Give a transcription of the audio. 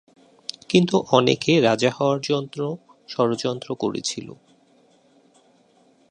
কিন্তু অনেকে রাজা হওয়ার জন্য ষড়যন্ত্র করেছিল।